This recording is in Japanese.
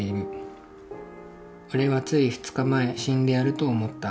俺はつい２日前死んでやると思った。